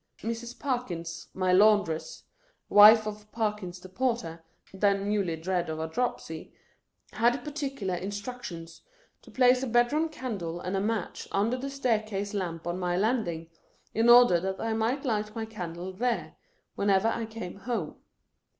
Mrs. Parkins, my laundress — wife of Parkins the porter, then newly dead of a dropsy — had particular instructions to place a bedroom candle and a match under the staircase lamp on my landing, in order that I might light my candle there, whenever I came home.